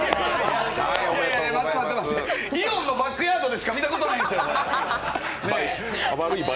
イオンのバックヤードでしか見たことないです。